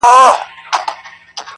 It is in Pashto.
چي هغه تللې ده نو ته ولي خپه يې روحه,